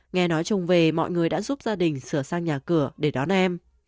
nghe nói chồng về mọi người đã giúp gia đình sửa sang nhà cửa để đón em